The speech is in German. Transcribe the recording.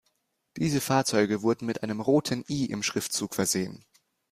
Diese Fahrzeuge wurden mit einem „roten I“ im Schriftzug versehen.